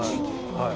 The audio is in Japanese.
はい。